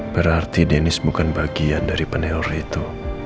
berarti denis bukan bagian dari penelor itu